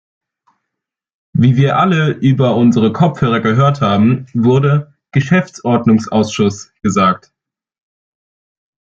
Wie wir alle über unsere Kopfhörer gehört haben, wurde "Geschäftsordnungsausschuss" gesagt.